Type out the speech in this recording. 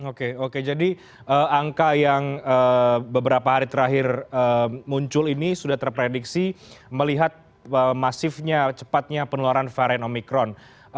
oke oke jadi angka yang beberapa hari terakhir muncul ini sudah terprediksi melihat masifnya cepatnya penularan varian omikron